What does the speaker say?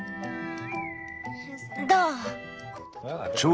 どう？